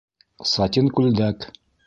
Сатин күлдәк